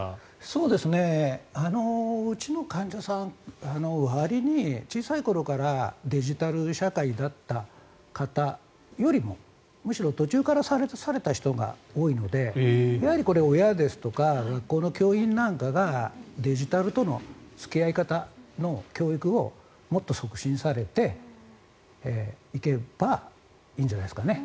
うちの患者さんわりに小さい頃からデジタル社会だった方よりもむしろ途中からされた人が多いのでこれ、親ですとか学校の教員なんかがデジタルとの付き合い方の教育をもっと促進されていけばいいんじゃないですかね。